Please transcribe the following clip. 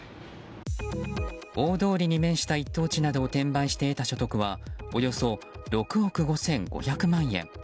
大通りに面した一等地などを転売して得た金額はおよそ６億５５００万円。